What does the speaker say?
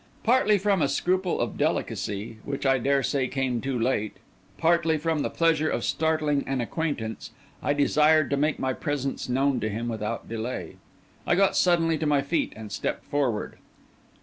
Partly from a scruple of delicacy—which I dare say came too late—partly from the pleasure of startling an acquaintance, I desired to make my presence known to him without delay. I got suddenly to my feet, and stepped forward.